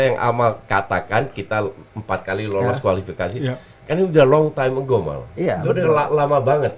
yang amal katakan kita empat kali lolos kualifikasi kan udah long time a gomal itu udah lama banget